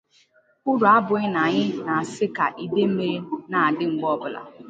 Uru abụghị na anyị na-asi ka ide mmiri na-adi mgbe ọ bụla